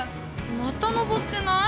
また上ってない？